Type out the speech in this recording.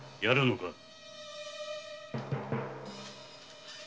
やるのか？